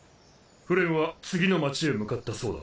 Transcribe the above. フレンは次の町へ向かったそうだ。